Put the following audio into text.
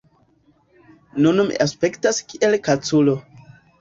Nun mi aspektas kiel kaculo